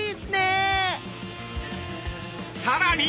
さらに！